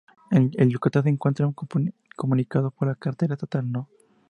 El Yucatán se encuentra comunicado por la carretera estatal No.